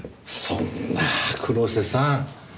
そんな黒瀬さん。